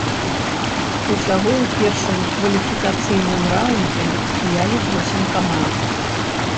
Усяго ў першым кваліфікацыйным раўндзе згулялі восем каманд.